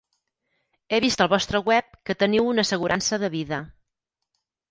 He vist al vostre web que teniu una assegurança de vida.